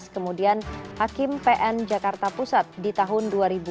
kemudian hakim pn jakarta pusat di tahun dua ribu dua